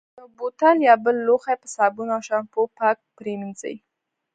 یو بوتل یا بل لوښی په صابون او شامپو پاک پرېمنځي.